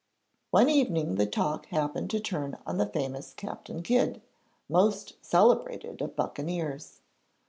One evening the talk happened to turn on the famous Captain Kidd, most celebrated of buccaneers.